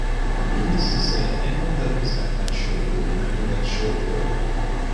Needless to say, anyone that was at that show will remember that show forever.